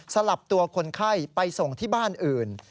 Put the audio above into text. สลับตัวคนไข้ไปส่งที่บ้านอื่น